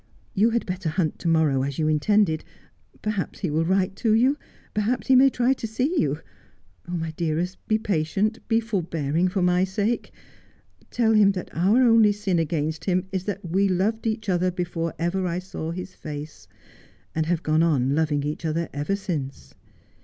' You had better hunt to morrow as you intended. Perhaps he will write to you. Perhaps he may try to see you. Oh, my dearest, be patient, be forbearing for my sake. Tell him that our only sin against him is that we loved each other before ever I saw his face, and have gone on loving each other ever since.